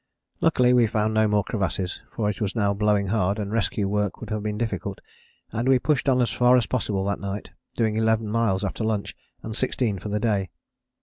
Luckily we found no more crevasses for it was now blowing hard, and rescue work would have been difficult, and we pushed on as far as possible that night, doing eleven miles after lunch, and sixteen for the day.